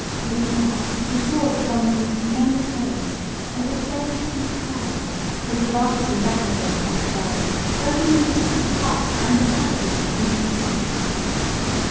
Looking up he saw that one of these tremendous waves, over thirty feet high, was advancing rapidly across the bay, threatening to sweep hut and inhabitants into the sea.